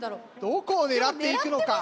どこを狙っていくのか。